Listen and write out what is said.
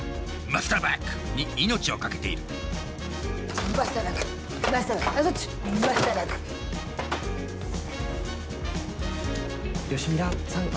マスターバック！に命を懸けている吉ミラさん